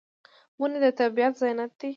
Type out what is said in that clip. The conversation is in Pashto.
ونې د طبیعت زینت دي.